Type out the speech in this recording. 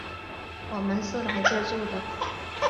我们是来借住的